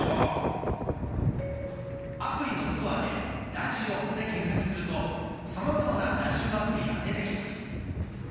アプリのストアで「ラジオ」で検索するとさまざまなラジオアプリが出てきます。